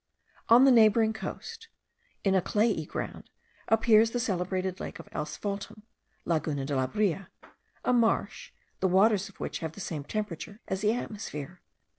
On the neighbouring coast, in a clayey ground, appears the celebrated lake of asphaltum (Laguna de la Brea), a marsh, the waters of which have the same temperature as the atmosphere.